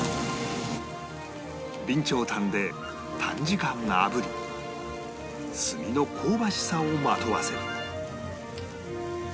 備長炭で短時間あぶり炭の香ばしさをまとわせる